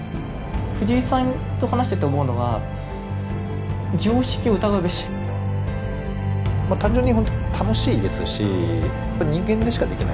藤井さんと話してて思うのは単純に楽しいですし人間でしかできない。